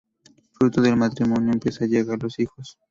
Fruto del matrimonio empiezan a llegar los hijos.